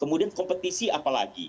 kemudian kompetisi apalagi